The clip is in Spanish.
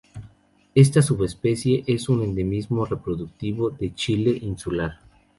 Esta subespecie es un endemismo reproductivo de Chile insular.